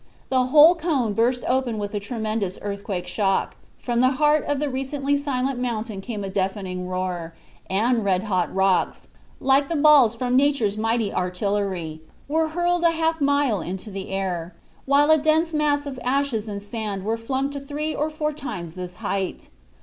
The whole cone burst open with a tremendous earthquake shock, from the heart of the recently silent mountain came a deafening roar, and red hot rocks, like the balls from nature's mighty artillery, were hurled a half mile into the air, while a dense mass of ashes and sand was flung to three or four times this height.